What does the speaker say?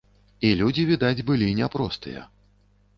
І людзі, відаць, былі няпростыя.